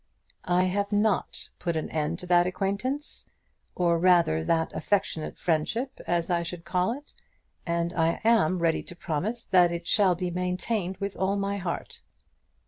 "I have not put an end to that acquaintance, or rather that affectionate friendship as I should call it, and I am ready to promise that it shall be maintained with all my heart."